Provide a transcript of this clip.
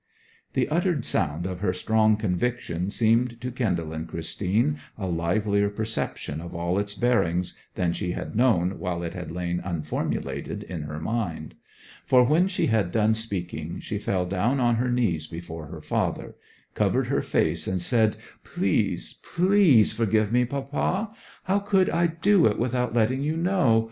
The uttered sound of her strong conviction seemed to kindle in Christine a livelier perception of all its bearings than she had known while it had lain unformulated in her mind. For when she had done speaking she fell down on her knees before her father, covered her face, and said, 'Please, please forgive me, papa! How could I do it without letting you know!